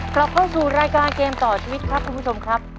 กลับเข้าสู่รายการเกมต่อชีวิตครับคุณผู้ชมครับ